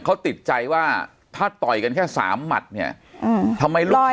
เขาติดใจว่าถ้าต่อยกันแค่สามหมัดเนี่ยทำไมลูกชาย